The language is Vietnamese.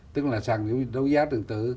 tức là sàn đấu giá điện tử